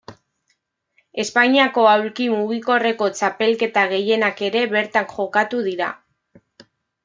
Espainiako aulki mugikorreko txapelketa gehienak ere bertan jokatu dira.